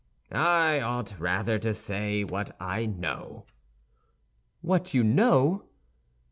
"I ought rather to say, what I know." "What you know?"